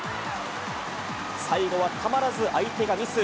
最後はたまらず相手がミス。